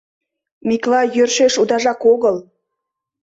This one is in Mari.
Миклай йӧршеш удажак огыл.